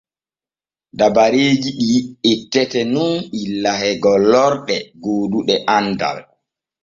Dabareeji ɗi ettete nun illa e gollorɗe gooduɗe andal.